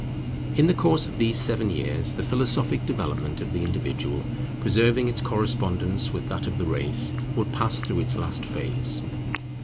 In the course of these seven years the philosophic development of the individual, preserving its correspondence with that of the race, will pass through its last phase.